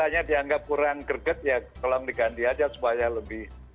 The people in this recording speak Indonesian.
jangan dianggap kurang gerget ya kalau diganti aja supaya lebih